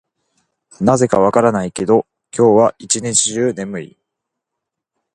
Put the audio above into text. なぜか分からないけど、今日は一日中眠い。